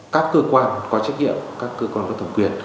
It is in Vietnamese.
các cơ quan có trách nhiệm các cơ quan có thẩm quyền